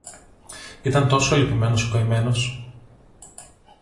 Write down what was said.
Ήταν τόσο λυπημένος ο καημένος!